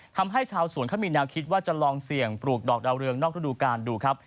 ทำให้ชาวสวนเขามีแนวคิดว่าจะลองเสี่ยงปลูกดอกดาวเรืองนอกฤดูกาลดูครับ